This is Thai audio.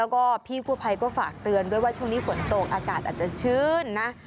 แล้วก็พี่กู้ภัยก็ฝากเตือนด้วยว่าช่วงนี้ฝนตกอากาศอาจจะชื่นนะ